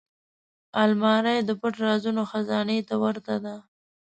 الماري د پټ رازونو خزانې ته ورته ده